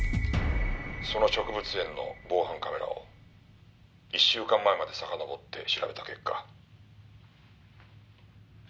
「その植物園の防犯カメラを１週間前までさかのぼって調べた結果」